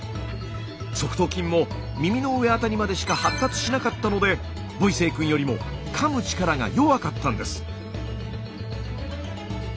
側頭筋も耳の上あたりまでしか発達しなかったのでボイセイくんよりもかむ力が弱かったんです。